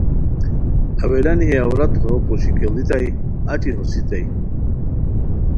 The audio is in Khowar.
اولانی ہے عورت ہورو پوشی کیڑیتائے اچی ہوسیتائے